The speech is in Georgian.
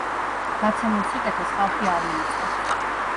გაცემულ სიკეთეს ხალხი არ ივიწყებს